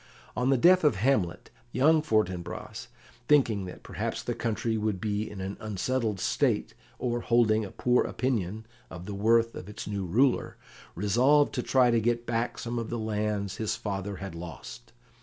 On the death of Hamlet, young Fortinbras, thinking that perhaps the country would be in an unsettled state, or holding a poor opinion of the worth of its new ruler, resolved to try to get back some of the lands his father had lost.